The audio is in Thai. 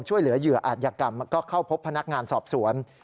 ช่วยเหลือเหยื่ออาจยกรรมก็เข้าพบพนักงานสอบสวน